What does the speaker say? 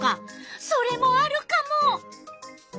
それもあるカモ。